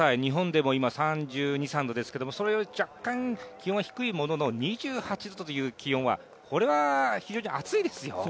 日本でも今３２３３度ですがそれよりも若干気温は低いものの２８度という気温はこれは非常に暑いですよ。